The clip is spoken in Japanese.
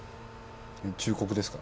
忠告ですか？